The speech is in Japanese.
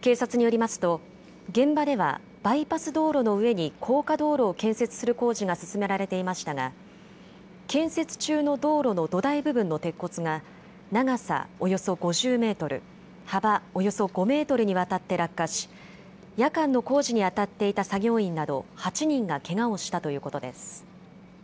警察によりますと現場ではバイパス道路の上に高架道路を建設する工事が進められていましたが建設中の道路の土台部分の鉄骨が長さおよそ５０メートル、幅およそ５メートルにわたって落下し夜間の工事にあたっていた作業員など８人がけがをしたということです。